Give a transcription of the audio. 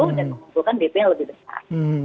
dan mengumpulkan dp yang lebih besar